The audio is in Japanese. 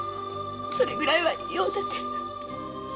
それぐらいは用立てる。